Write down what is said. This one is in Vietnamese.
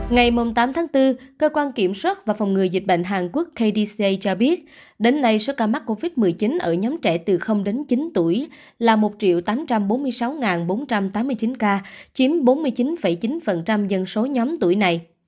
ngày tám tháng bốn cơ quan kiểm soát và phòng ngừa dịch bệnh hàn quốc kdca cho biết đến nay số ca mắc covid một mươi chín ở nhóm trẻ từ đến chín tuổi là một tám trăm bốn mươi sáu bốn trăm tám mươi chín ca chiếm bốn mươi chín chín dân số nhóm tuổi này